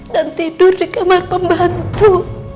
dan tidur di kamar pembantu